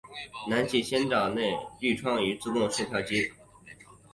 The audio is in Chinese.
南气仙沼车站内设有绿窗口与自动售票机。